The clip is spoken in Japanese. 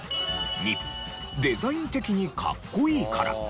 ２デザイン的にかっこいいから。